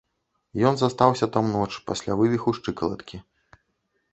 Ён застаўся там ноч пасля вывіху шчыкалаткі.